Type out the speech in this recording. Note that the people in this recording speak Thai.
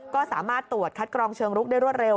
ก็สามารถตรวจคัดกรองเชิงลุกได้รวดเร็